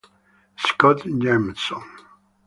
Scott Jamieson